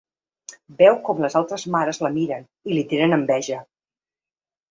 Veu com les altres mares la miren i li tenen enveja.